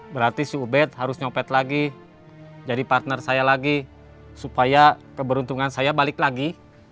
berarti si ubed harus nyopet lagi jadi partner saya lagi supaya keberuntungan saya balik lagi